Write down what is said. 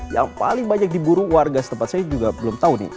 yang paling banyak diburu warga setempat saya juga belum tahu nih